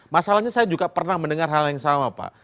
masalahnya saya juga pernah mendengar hal yang sama pak